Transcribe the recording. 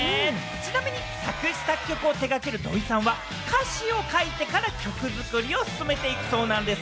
ちなみに作詞・作曲を手がけるＤｅｕさんは歌詞を書いてから曲作りを進めていくそうなんです。